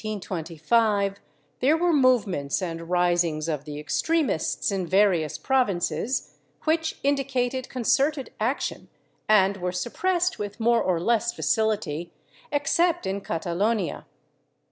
In 1824 and 1825 there were movements and risings of the extremists in various provinces, which indicated concerted action and were suppressed with more or less facility, except in Catalonia.